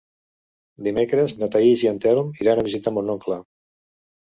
Dimecres na Thaís i en Telm iran a visitar mon oncle.